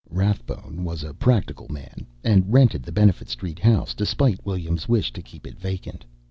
Rathbone was a practical man, and rented the Benefit Street house despite William's wish to keep it vacant.